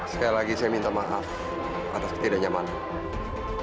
sekali lagi saya minta maaf atas ketidaknyamanan